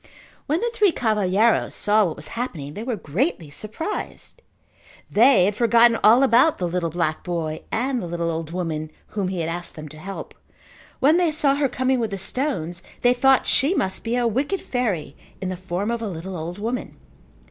When the three cavalheiros saw what was happening they were greatly surprised. They had forgotten all about the little black boy and the little old woman whom he had asked them to help. When they saw her coming with the stones they thought that she must be a wicked fairy in the form of a little old woman.